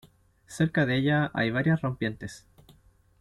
Cerca de ella hay varias rompientes.